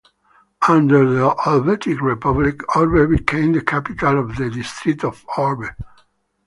Under the Helvetic Republic, Orbe became the capital of the District of Orbe.